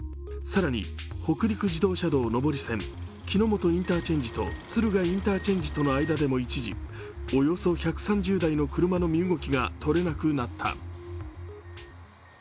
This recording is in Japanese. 更に北陸自動車道上り線木之本インターチェンジと敦賀インターチェンジとの間でも一時、およそ１３０台の車の身動きがとれなくなった。